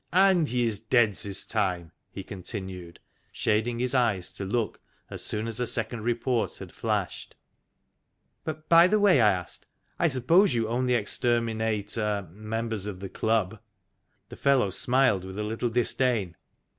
And he is dead this time," he continued, shading his eyes to look, as soon as a second report had flashed. " By the way," I asked, " I suppose you only ex terminate er members of the club?" The fellow smiled with a little disdain.